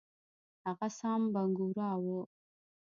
هغه سام بنګورا وو.